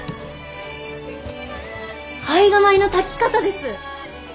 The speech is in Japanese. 胚芽米の炊き方です。